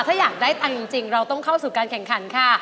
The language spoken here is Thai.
ถ้าอยากได้ตังค์จริงเราต้องเข้าสู่การแข่งขันค่ะ